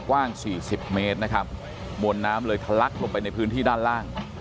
กว้างสี่สิบเมตรนะครับมวลน้ำเลยทะลักลงไปในพื้นที่ด้านล่าง